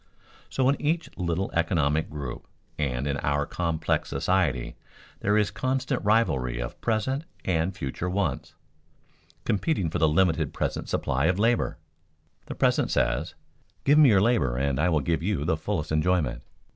So in each little economic group and in our complex society there is constant rivalry of present and future wants, competing for the limited present supply of labor. The present says, "Give me your labor and I will give you the fullest enjoyment."